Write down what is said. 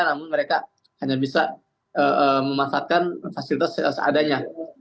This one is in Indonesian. namun mereka hanya bisa memanfaatkan fasilitas seadanya